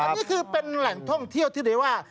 นี่คือเป็นแหล่งท่องเที่ยวที่เรียกว่า